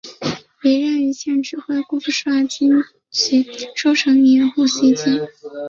李任与指挥顾福帅精骑出城掩击袭击。